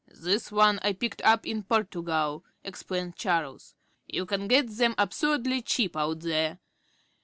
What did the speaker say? "This is one I picked up in Portugal," explained Charles. "You can get them absurdly cheap out there.